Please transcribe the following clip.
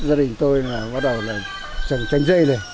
gia đình tôi bắt đầu trồng tránh dây này